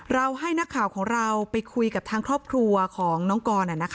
ให้นักข่าวของเราไปคุยกับทางครอบครัวของน้องกร